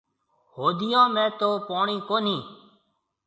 هوديون ۾ تو پوڻِي ڪونهي۔